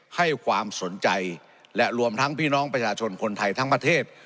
ให้ความสนใจและรวมทั้งพี่น้องประชาชนคนไทยทั้งประเทศ